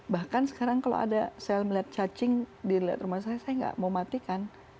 bahkan sekarang kalau ada saya melihat cacing dilihat rumah saya saya nggak mau matikan